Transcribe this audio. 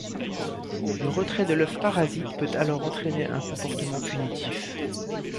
Le retrait de l’œuf parasite peut alors entraîner un comportement punitif.